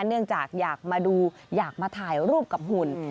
เนื่องจากอยากมาดูอยากมาถ่ายรูปกับหุ่น